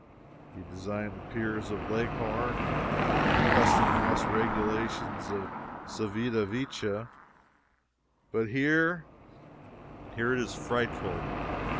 He designed the piers of Leghorn and the custom house regulations of Civita Vecchia. But, here here it is frightful.